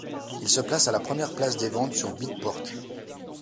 Il se classe à la première place des ventes sur Beatport.